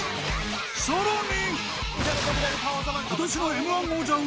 さらに